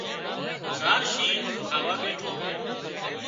زار شينهن کاوا ٻيٺو